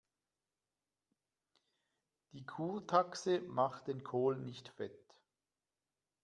Die Kurtaxe macht den Kohl nicht fett.